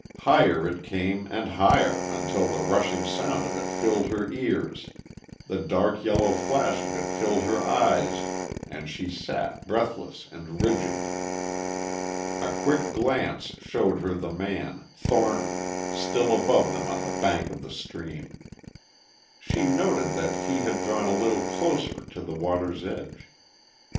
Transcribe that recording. Higher it came and higher until the rushing sound of it filled her ears, the dark yellow flash of it filled her eyes and she sat breathless and rigid.... A quick glance showed her the man, Thornton, still above them on the bank of the stream. She noted that he had drawn a little closer to the water's edge.